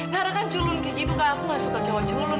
nara kan culun kayak gitu kak aku enggak suka cowok culun